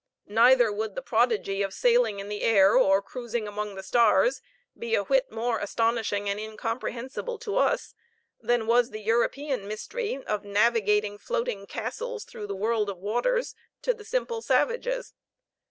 Neither would the prodigy of sailing in the air or cruising among the stars be a whit more astonishing and incomprehensible to us than was the European mystery of navigating floating castles through the world of waters to the simple savages.